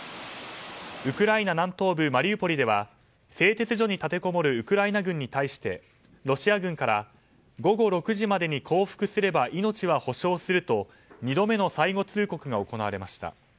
ウクライナ南東部マリウポリでは製鉄所に立てこもるウクライナ軍に対してロシア軍から午後６時までに降伏すれば命は保証すると２度目の最後通告が行われました。